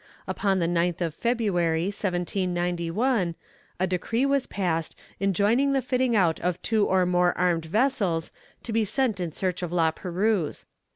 Upon the 9th of February, 1791, a decree was passed enjoining the fitting out of two or more armed vessels, to be sent in search of La Perouse.